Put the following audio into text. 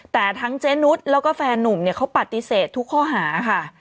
แต่ทั้งเจนุสแล้วก็แฟนนุ่มเนี่ยเขาปฏิเสธทุกข้อหาค่ะ